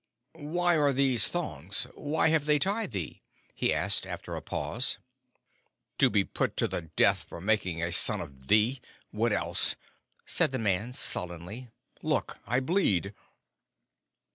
"Why are these thongs? Why have they tied thee?" he asked, after a pause. "To be put to the death for making a son of thee what else?" said the man, sullenly. "Look! I bleed."